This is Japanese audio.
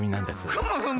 ふむふむ。